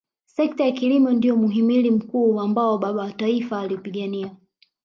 sekta ya kilimo ndio mhimili mkuu ambao baba wa taifa aliupigania